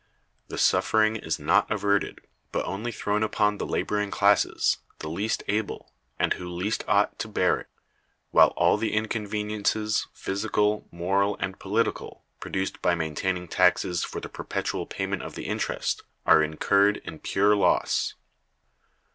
The suffering is not averted, but only thrown upon the laboring classes, the least able, and who least ought, to bear it: while all the inconveniences, physical, moral, and political, produced by maintaining taxes for the perpetual payment of the interest, are incurred in pure loss.